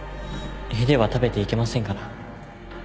絵では食べていけませんから